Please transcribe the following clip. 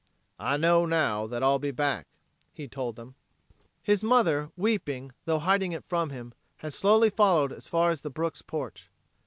"I know, now, that I'll be back," he told them. His mother, weeping, tho hiding it from him, had slowly followed as far as the Brooks' porch.